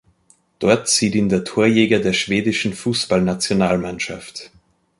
Dort sieht ihn der Torjäger der schwedischen Fußballnationalmannschaft.